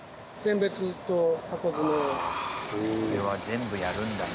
これは全部やるんだね。